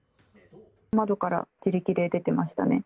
窓から自力で出てましたね。